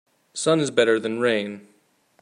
Sun is better than rain.